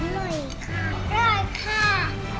น้องอร่อยมีลูก